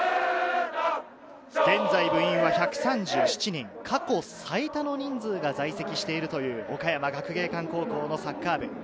現在、部員は１３７人、過去最多の人数が在籍しているという岡山学芸館高校のサッカー部。